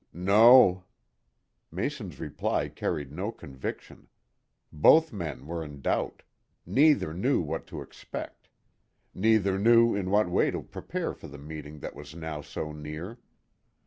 "No." Mason's reply carried no conviction. Both men were in doubt. Neither knew what to expect. Neither knew in what way to prepare for the meeting that was now so near.